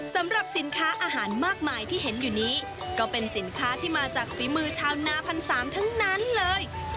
สำหรับสินค้าอาหารมากมายที่เห็นอยู่นี้ก็เป็นสินค้าที่มาจากฝีมือชาวนาพันสามทั้งนั้นเลย